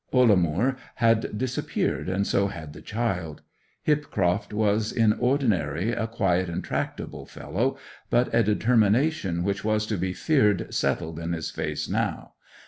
Ollamoor had disappeared, and so had the child. Hipcroft was in ordinary a quiet and tractable fellow, but a determination which was to be feared settled in his face now.